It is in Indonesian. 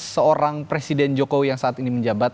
seorang presiden jokowi yang saat ini menjabat